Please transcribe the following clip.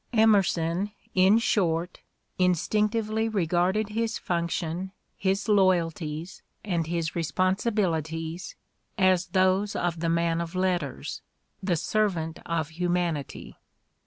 Emerson, in short, instinctively regarded his function, his loyalties and his responsibilities as those of the man of letters, the servant of humanity.